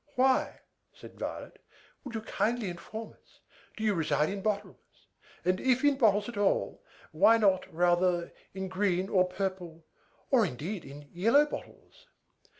"Why," said Violet, "would you kindly inform us, do you reside in bottles; and, if in bottles at all, why not, rather, in green or purple, or, indeed, in yellow bottles?"